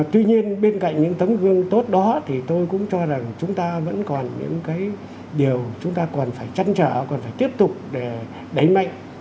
tuy nhiên bên cạnh những tấm gương tốt đó thì tôi cũng cho rằng chúng ta vẫn còn những cái điều chúng ta còn phải chăn trở còn phải tiếp tục để đẩy mạnh